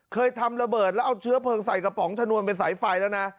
เคยทำระเบิดแล้วเอาเชื้อเพลิงใส่กระป๋องชะนวนเป็นสายไฟแล้วนะ